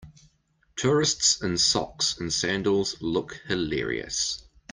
Tourists in socks and sandals look hilarious.